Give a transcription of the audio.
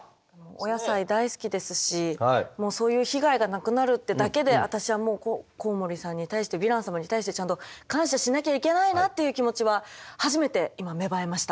お野菜大好きですしもうそういう被害がなくなるってだけで私はもうコウモリさんに対してヴィラン様に対してちゃんと感謝しなきゃいけないなっていう気持ちは初めて今芽生えました。